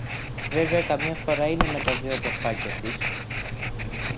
Βέβαια καμιά φορά είναι με τα δυο αδελφάκια της